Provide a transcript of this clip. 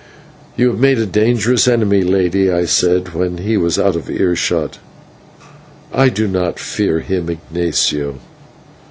"You have made a dangerous enemy, Lady," I said, when he was out of earshot. "I do not fear him, Ignatio."